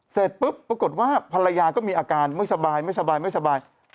เสร็จปุ๊บปรากฏว่าภรรยาก็มีอาการไม่สบาย